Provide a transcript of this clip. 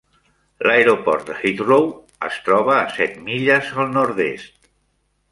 L'aeroport de Heathrow es troba a set milles al nord-est.